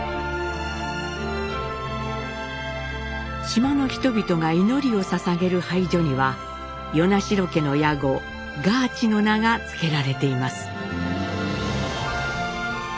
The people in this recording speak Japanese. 島の人々が祈りをささげる拝所には与那城家の屋号ガーチの名が付けられています。